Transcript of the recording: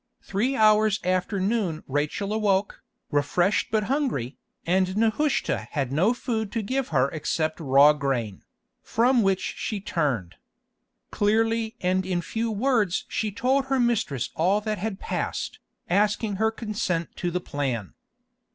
Three hours after noon Rachel awoke, refreshed but hungry, and Nehushta had no food to give her except raw grain, from which she turned. Clearly and in few words she told her mistress all that had passed, asking her consent to the plan.